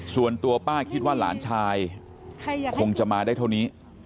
ส่วนตัวป้าคิดว่าหลานชายคงจะมาได้เท่านี้